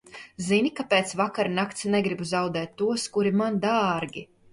Zini, ka pēc vakarnakts negribu zaudēt tos, kuri man dārgi.